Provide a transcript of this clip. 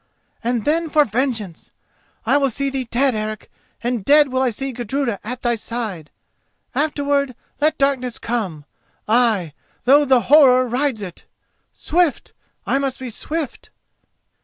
And then for vengeance! I will see thee dead, Eric, and dead will I see Gudruda at thy side! Afterwards let darkness come—ay, though the horror rides it! Swift!—I must be swift!"